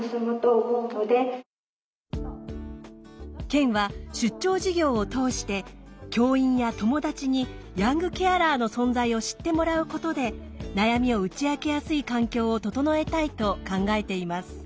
県は出張授業を通して教員や友達にヤングケアラーの存在を知ってもらうことで悩みを打ち明けやすい環境を整えたいと考えています。